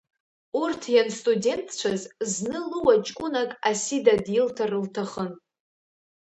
Урҭ ианстудентцәаз зны луа ҷкәынак Асида дилҭар лҭахын.